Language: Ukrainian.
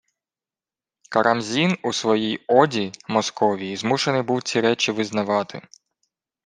Карамзін у своїй «оді» Московії змушений був ці речі визнавати